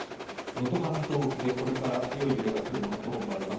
能登半島沖でこれから強い揺れが来ると思われます。